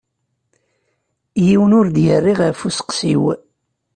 Yiwen ur d-yerri ɣef usteqsi-w.